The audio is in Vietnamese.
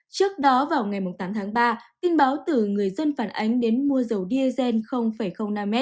trước đó vào ngày tám tháng ba tin báo từ người dân phản ánh đến mua dầu diesel năm m